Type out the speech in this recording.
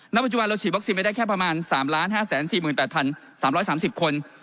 ปัจจุบันเราฉีดวัคซีนไปได้แค่ประมาณ๓๕๔๘๓๓๐คน